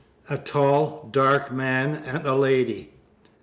A tall, dark man and a lady.